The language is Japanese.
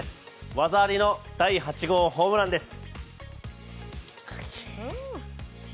技ありの第８号ホームランです。